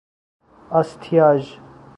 آستیاژ